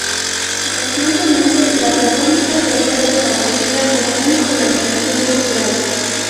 Recientemente, la República sería "restablecida" como una organización cultural.